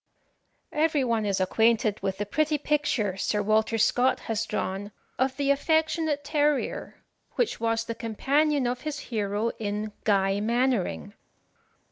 Every one is acquainted with the pretty picture Sir Walter Scott has drawn of the affectionate terrier, which was the companion of his hero in "Guy Mannering."